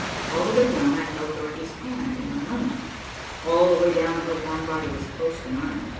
All the way down I held Dorothy's hand in my own. All the way down her warm body was close to mine.